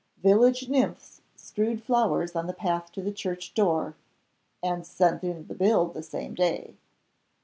Village nymphs strewed flowers on the path to the church door (and sent in the bill the same day).